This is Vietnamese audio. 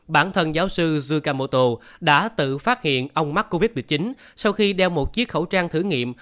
bản thân giáo sư zukamoto đã tự phát hiện ông mắc covid một mươi chín sau khi đeo một chiếc khẩu trang thử nghiệm